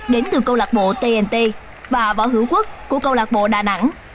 đến từ câu lạc bộ tnt và võ hữu quốc của câu lạc bộ đà nẵng